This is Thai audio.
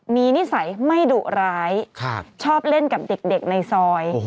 มีนิสัยไม่ดุร้ายชอบเล่นกับเด็กในซอย